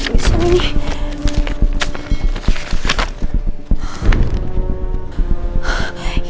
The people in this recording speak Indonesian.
kalau bisa nih